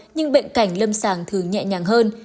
nhưng bệnh cảnh lâm sàng thường nhẹ nhàng hơn